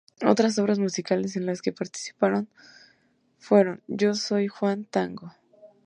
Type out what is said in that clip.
Otras obras musicales en las que participó fueron "¡Yo Soy Juan Tango!